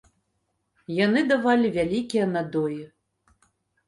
Яны давалі вялікія надоі.